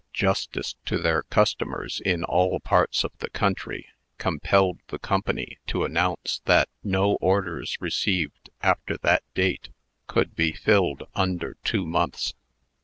Justice to their customers in all parts of the country, compelled the Company to announce that no orders received after that date could be filled under two months.